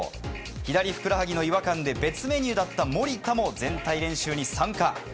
左ふくらはぎの違和感で別メニューだった守田も全体練習に参加。